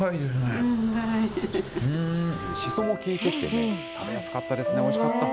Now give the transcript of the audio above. シソも効いててね、食べやすかったですね、おいしかった。